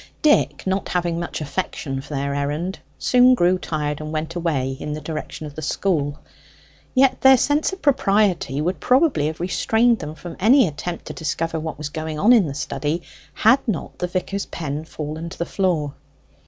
Dick, not having much affection for this errand, soon grew tired, and went away in the direction of the school. Yet their sense of propriety would probably have restrained them from any attempt to discover what was going on in the study had not the vicar's pen fallen to the floor.